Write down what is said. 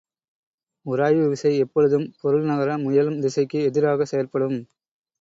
உராய்வு விசை எப்பொழுதும் பொருள் நகர முயலும் திசைக்கு எதிராகச் செயற்படும்.